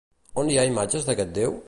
On hi ha imatges d'aquest déu?